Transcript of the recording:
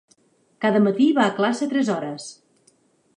Cada matí va a classe tres hores.